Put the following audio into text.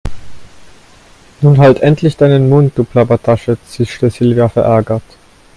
Nun halt endlich deinen Mund, du Plappertasche, zischte Silvia verärgert.